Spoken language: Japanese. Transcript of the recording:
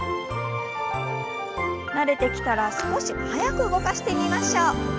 慣れてきたら少し速く動かしてみましょう。